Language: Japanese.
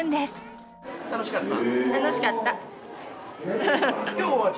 楽しかった。